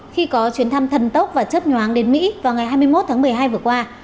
khi có chuyến thăm thần tốc và chất nhoáng đến mỹ vào ngày hai mươi một tháng một mươi hai vừa qua